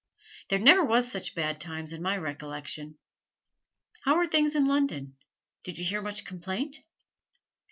There never was such bad times in my recollection! How are things in London? Did you hear much complaint?'